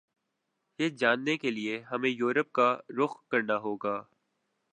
یہ جاننے کیلئے ہمیں یورپ کا رخ کرنا ہوگا